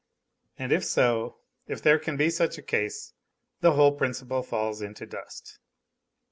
And if so, if there can be such a case, the whole principle falls into dust.